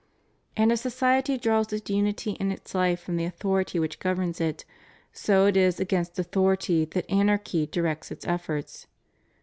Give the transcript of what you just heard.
And as society draws its unity and its hfe from the authority which governs it, so it is against authority that anarchy directs its efforts.